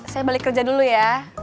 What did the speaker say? saya balik kerja dulu ya